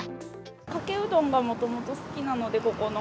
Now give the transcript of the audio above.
かけうどんがもともと好きなので、ここの。